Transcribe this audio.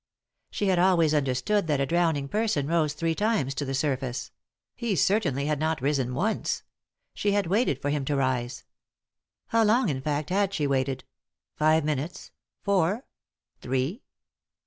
She had always understood that a drowning person rose three times to the sur face ; he certainly had not risen once ; she bad waited for him to rise. How long, in feet, had she waited ? Five minutes ?— four ?— three